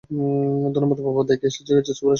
ধন্যবাদ, বাবা, দেখ, এসেগেছে সুপারস্টার ওম কাপুর।